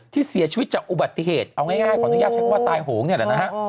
ที่เสียชีวิตจากอุบัติเหตุเอาง่ายขออนุญาตใช้คำว่าตายโหงนี่แหละนะฮะ